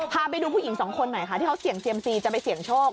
พาไปดูผู้หญิงสองคนหน่อยค่ะที่เขาเสี่ยงเซียมซีจะไปเสี่ยงโชค